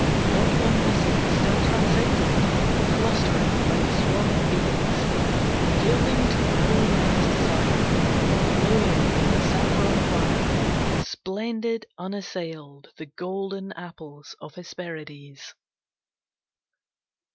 Not one missing, still transcendent, Clustering like a swarm of bees. Yielding to no man's desire, Glowing with a saffron fire, Splendid, unassailed, the golden Apples of Hesperides!